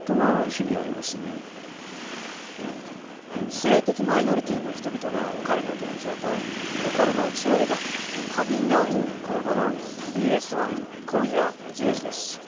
性的マイノリティの人々が置かれた現状と、心の内を描く「カミングアウトの“向こう側”」